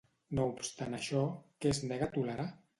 No obstant això, què es nega a tolerar?